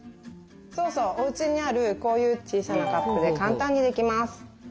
そうそうおうちにあるこういう小さなカップで簡単にできます。